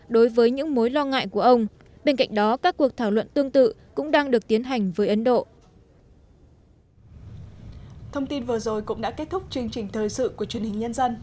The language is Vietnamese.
đối với những mối lo ngại của ông bên cạnh đó các cuộc thảo luận tương tự cũng đang được tiến hành với ấn độ